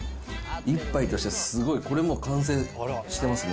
一杯としてすごい、これもう完成してますね。